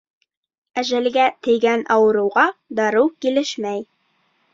Әжәлгә тейгән ауырыуға дарыу килешмәй.